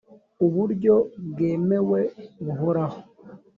uburyo bwemewe buhoraho.